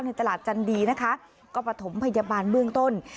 ตลาดจันดีนะคะก็ประถมพยาบาลเบื้องต้น